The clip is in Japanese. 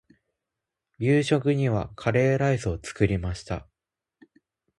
夕食にはカレーライスを作りました。